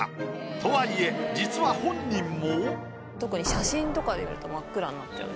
とはいえ実は本人も。